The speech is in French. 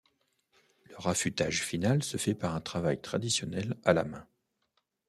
Leur affûtage final se fait par un travail traditionnel à la main.